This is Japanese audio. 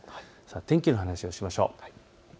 天気の話をしましょう。